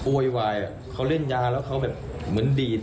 โวยวายเขาเล่นยาแล้วเขาแบบเหมือนดีด